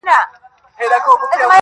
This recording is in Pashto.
کنې دوى دواړي ويدېږي ورځ تېرېږي.